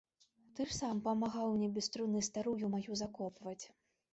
Ты ж сам памагаў мне без труны старую маю закопваць.